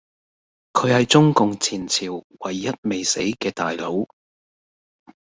佢係中共前朝唯一未死既大佬